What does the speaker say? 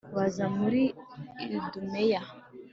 baza muri idumeya